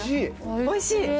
おいしい？